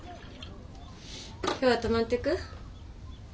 今日は泊まってく？